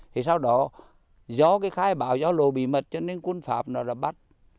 thì sau đó do cái khai báo do lộ bí mật cho nên quân pháp nó đã bắt